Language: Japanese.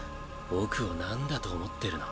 僕をなんだと思ってるの？